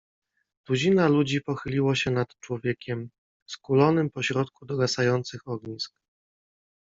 tuzina ludzi pochyliło się nad człowiekiem, skulonym pośrodku dogasających ognisk.